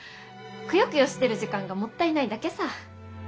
くよくよしてる時間がもったいないだけさ。